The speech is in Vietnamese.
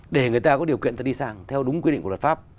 để người ta có điều kiện ta đi sang theo đúng quy định của luật pháp